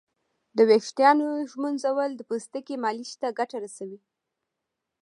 د ویښتانو ږمنځول د پوستکي مالش ته ګټه رسوي.